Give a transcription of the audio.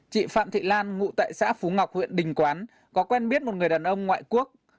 chị phạm thị lan ngụ tại xã phú ngọc huyện đình quán có quen biết một người đàn ông ngoại quốc